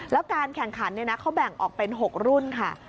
แล้วการแข่งขันเขาแบ่งออกเป็น๖รุ่นค่ะ